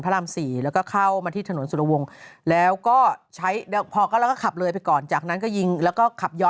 พี่แม่ตำแหน่งที่ยิงถ้าโดนก็คือแค่ขาวก็ขาว